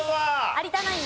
有田ナイン